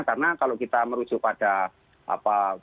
karena kalau kita merujuk pada apa